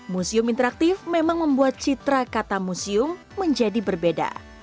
museum interaktif memang membuat citra kata museum menjadi berbeda